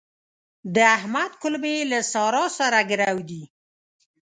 د احمد کولمې له سارا سره ګرو دي.